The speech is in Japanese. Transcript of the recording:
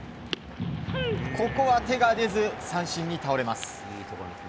ここは手が出ず三振に倒れます。